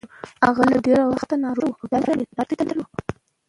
هغه له ډېره وخته ناروغه وه او درد يې درلود.